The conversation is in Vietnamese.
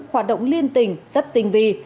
hoạt động liên tình rất tinh vi